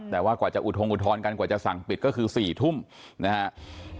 แต่ว่ากว่าจะอุทงอุทธรณ์กันกว่าจะสั่งปิดก็คือ๔ทุ่มนะครับ